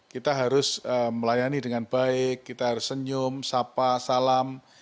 kita harus melayani dengan baik kita harus senyum sapa salam